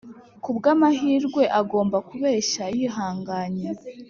kubwamahirwe agomba kubeshya yihanganye